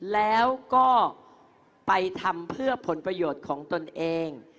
แล้วก็ไปทำเพื่อผลประโยชน์ของตนเอง